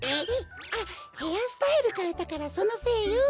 あっヘアスタイルかえたからそのせいよ。